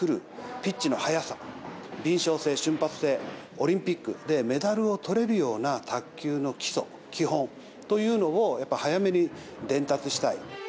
ピッチの速さ、敏しょう性、瞬発性、オリンピックでメダルをとれるような卓球の基礎、基本というのを、やっぱり早めに伝達したい。